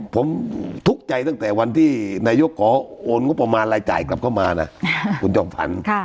ผมทุกข์ใจตั้งแต่วันที่นายกขอโอนงบประมาณรายจ่ายกลับเข้ามานะคุณจอมฝัน